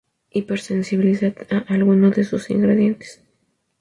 Hipersensibilidad a alguno de sus ingredientes.